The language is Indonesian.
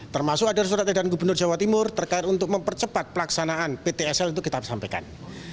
termasuk ada surat edaran gubernur jawa timur terkait untuk mempercepat pelaksanaan ptsl itu kita sampaikan